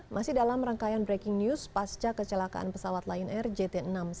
masih dalam rangkaian breaking news pasca kecelakaan pesawat lion air jt enam ratus sepuluh